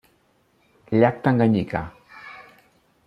Llac Tanganyika.